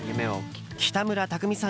北村匠海さん